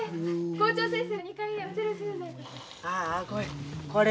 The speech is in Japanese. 校長先生。